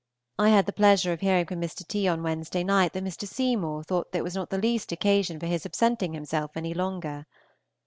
I had the pleasure of hearing from Mr. T. on Wednesday night that Mr. Seymour thought there was not the least occasion for his absenting himself any longer.